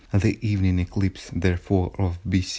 The evening eclipse, therefore, of B.